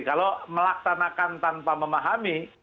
kalau melaksanakan tanpa memahami